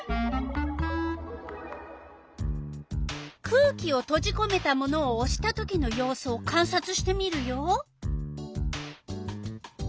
「空気をとじこめたもの」をおしたときの様子をかんさつしてみるよ。